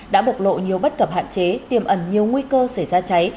đã bộc lộ nhiều bất cập hạn chế tiềm ẩn nhiều nguy cơ xảy ra cháy